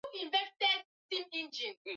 kujua wao hawaridhishwi na kinachoendelea